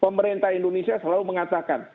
pemerintah indonesia selalu mengatakan